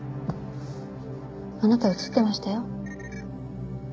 あなた映ってましたよ。